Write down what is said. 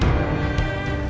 nino suami pertamanya andi